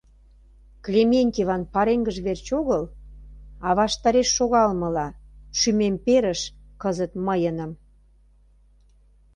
Клементьеван пареҥгыж верч огыл, а ваштареш шогалмыла шӱмем перыш кызыт мыйыным!